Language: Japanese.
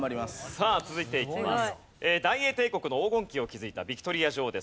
さあ続いていきます。